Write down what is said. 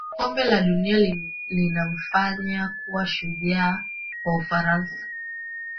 Kombe la dunia lilimfanya kuwa shujaa wa Ufaransa